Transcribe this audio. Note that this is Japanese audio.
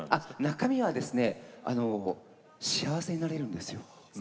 中身は幸せになれるんですよ。